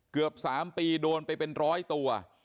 เกือบ๓ปีโดนไปเป็นร้อยตัว